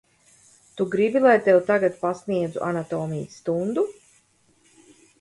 Tu gribi, lai tev tagad pasniedzu anatomijas stundu?